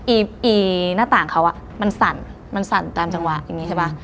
หน้าต่างเขามันสั่นมันสั่นตามจังหวะอย่างนี้ใช่ป่ะ